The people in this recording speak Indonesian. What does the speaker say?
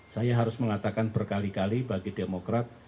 saya harus mengatakan berkali kali bagi demokrat